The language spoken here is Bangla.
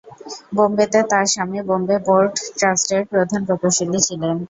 বোম্বেতে তার স্বামী বোম্বে পোর্ট ট্রাস্টের প্রধান প্রকৌশলী ছিলেন।